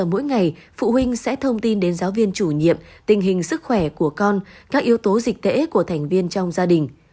khoảng hai mươi giờ mỗi ngày phụ huynh sẽ thông tin đến giáo viên chủ nhiệm tình hình sức khỏe của con các yếu tố dịch tễ của thành viên trong gia đình